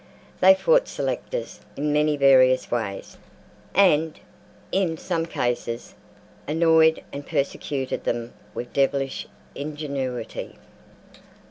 They fought selectors in many various ways, and, in some cases, annoyed and persecuted them with devilish ingenuity.